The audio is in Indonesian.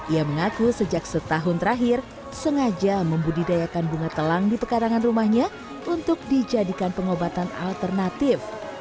ia mengaku sejak setahun terakhir sengaja membudidayakan bunga telang di pekarangan rumahnya untuk dijadikan pengobatan alternatif